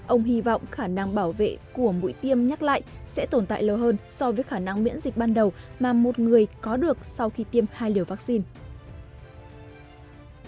ông hy vọng khả năng bảo vệ của mũi tiêm nhắc lại sẽ tồn tại lâu hơn so với khả năng miễn dịch ban đầu mà một người có được sau khi tiêm hai liều vaccine